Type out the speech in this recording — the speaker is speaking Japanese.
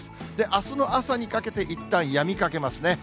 あすの朝にかけていったんやみかけますね。